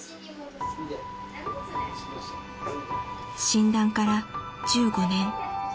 ［診断から１５年］